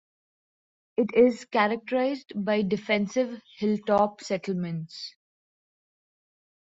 It is characterized by defensive hilltop settlements.